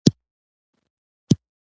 پنېر د شیدو خوراکي قوت لري.